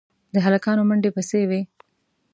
د هلکانو منډې پسې وې.